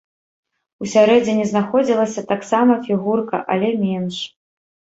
Усярэдзіне знаходзілася таксама фігурка, але менш.